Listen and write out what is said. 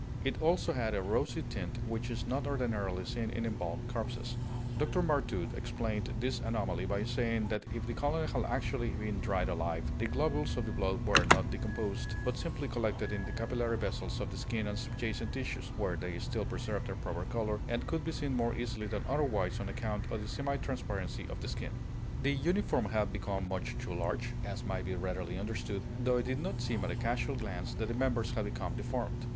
It also had a rosy tint which is not ordinarily seen in embalmed corpses. Dr. Martout explained this anomaly by saying that if the colonel had actually been dried alive, the globules of the blood were not decomposed, but simply collected in the capillary vessels of the skin and subjacent tissues, where they still preserved their proper color, and could be seen more easily than otherwise on account of the semi transparency of the skin. The uniform had become much too large, as may be readily understood, though it did not seem at a casual glance that the members had become deformed.